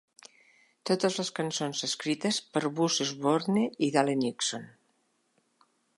Totes les cançons escrites per Buzz Osborne i Dale Nixon.